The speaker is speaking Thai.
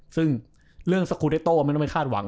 ซึ่งเรื่องสกุทิโต้ไม่ต้องบอกว่าคาดหวัง